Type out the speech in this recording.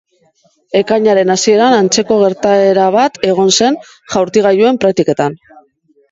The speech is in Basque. Ekainaren hasieran antzeko gertaera bat egon zen jaurtigailuen praktiketan.